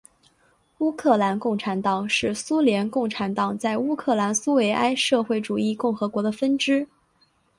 乌克兰共产党是苏联共产党在乌克兰苏维埃社会主义共和国的分支。